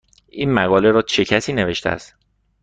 این مقاله را چه کسی نوشته است؟